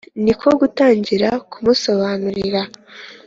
ni ko gutangira kumusobanurira.